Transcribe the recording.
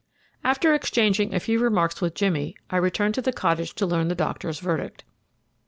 After exchanging a few remarks with Jimmy, I returned to the cottage to learn the doctor's verdict.